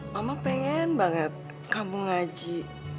mama pengen banget kamu ngaji